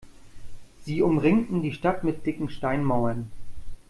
Sie umringten die Stadt mit dicken Steinmauern.